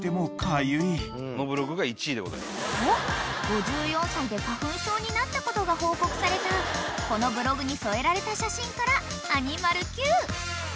［と５４歳で花粉症になったことが報告されたこのブログに添えられた写真からアニマルＱ］